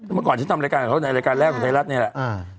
เมื่อก่อนที่ทำรายการกับเขาในรายการแรกของไทยรัฐนี่แหละ